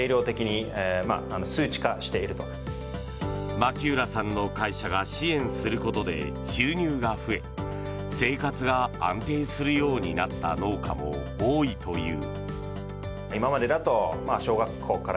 牧浦さんの会社が支援することで収入が増え生活が安定するようになった農家も多いという。